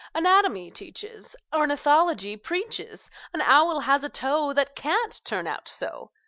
Anatomy teaches, Ornithology preaches An owl has a toe That can't turn out so!